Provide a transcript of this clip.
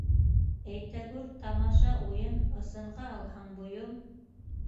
Әйтәгүр, тамаша - уйын, ысынға алһаң, бойом!